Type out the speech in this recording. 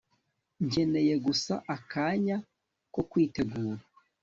nkeneye gusa akanya ko kwitegura